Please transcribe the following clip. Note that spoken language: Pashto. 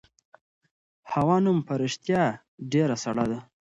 هوا نن په رښتیا ډېره سړه ده.